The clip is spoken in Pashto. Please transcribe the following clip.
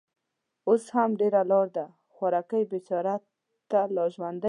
اوس هم ډېره لار ده. خوارکۍ، بېچاره، ته لا ژوندۍ يې؟